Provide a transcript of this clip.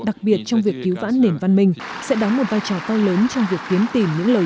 đặc biệt trong việc cứu vãn nền văn minh sẽ đáng một vai trò cao lớn trong việc kiến tìm những lời